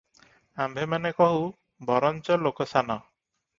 ଆମ୍ଭେମାନେ କହୁ, ବରଞ୍ଚ ଲୋକସାନ ।